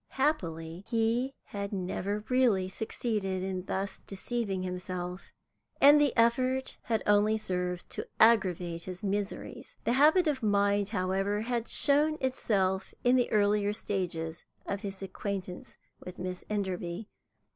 Happily he had never really succeeded in thus deceiving himself, and the effort had only served to aggravate his miseries. The habit of mind, however, had shown itself in the earlier stages of his acquaintance with Miss Enderby.